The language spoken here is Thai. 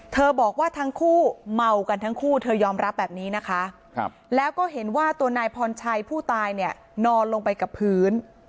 บอกว่าทั้งคู่เมากันทั้งคู่เธอยอมรับแบบนี้นะคะแล้วก็เห็นว่าตัวนายพรชัยผู้ตายเนี่ยนอนลงไปกับพื้น